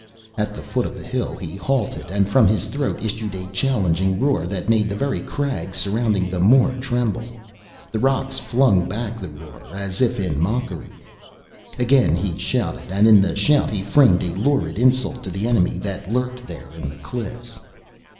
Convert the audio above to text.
At the foot of the hill he halted and from his throat issued a challenging roar that made the very crags surrounding the moor tremble. The rocks flung back the roar as if in mockery. Again he shouted and in the shout he framed a lurid insult to the enemy that lurked there in the cliffs.